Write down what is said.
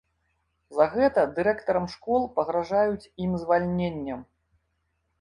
За гэта дырэктарам школ пагражаюць ім звальненнем.